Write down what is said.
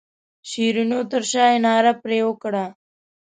شیرینو تر شایه ناره پر وکړه.